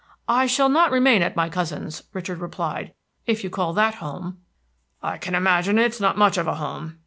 "I shall not remain at my cousin's," Richard replied, "if you call that home." "I can imagine it is not much of a home.